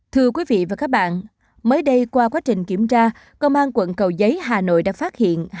thưa quý vị và các bạn mới đây qua quá trình kiểm tra công an quận cầu giấy hà nội đã phát hiện